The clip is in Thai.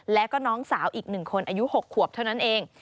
แล้วก็น้องสาวอีก๑คนอายุ๖ขวบเท่านั้นเอง